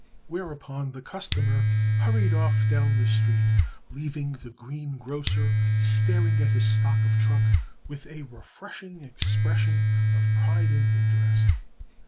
Whereupon the customer hurried off down the street, leaving the green grocer staring at his stock of truck with a refreshing expression of pride and interest.